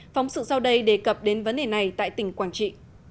phóng sự sau đây đề cập đến vấn đề này tại tỉnh quảng trị